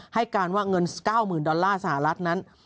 ให้การว่าเงิน๙๐๐๐ดอลลาร์สหรัฐนั้น